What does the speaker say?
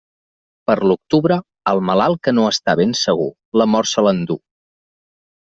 Per l'octubre, el malalt que no està ben segur, la mort se l'enduu.